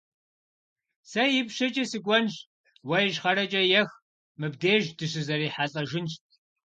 Сэ ипщэкӀэ сыкӀуэнщ, уэ ищхъэрэкӀэ ех, мыбдеж дыщызэрихьэлӀэжынщ.